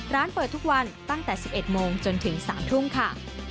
ร้านเปิดทุกวันตั้งแต่๑๑โมงจนถึง๓ทุ่มค่ะ